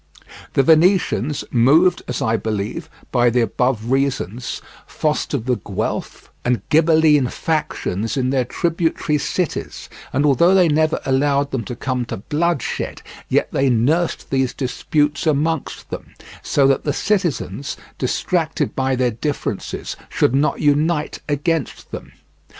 The Venetians, moved, as I believe, by the above reasons, fostered the Guelph and Ghibelline factions in their tributary cities; and although they never allowed them to come to bloodshed, yet they nursed these disputes amongst them, so that the citizens, distracted by their differences, should not unite against them.